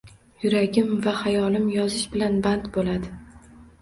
Yuragim va xayolim yozish bilan band bo‘ladi